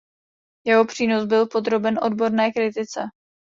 Jeho přínos byl podroben odborné kritice.